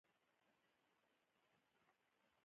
د لاسکو غار یوه مشهور نقاشي هم شته.